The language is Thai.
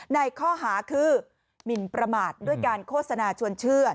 ในข้อหาคือหมินประมาทด้วยการโฆษณาชวนเชื่อ